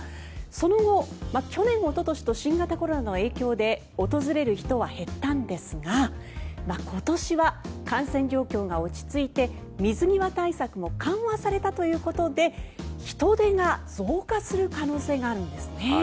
その後、去年、おととしと新型コロナの影響で訪れる人は減ったんですが今年は感染状況が落ち着いて水際対策も緩和されたということで人出が増加する可能性があるんですね。